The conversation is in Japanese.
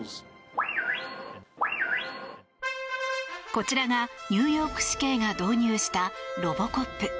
こちらがニューヨーク市警が導入したロボコップ。